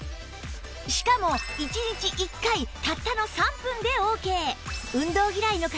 しかも１日１回たったの３分でオーケー！